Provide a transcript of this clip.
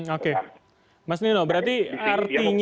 oke mas nino berarti artinya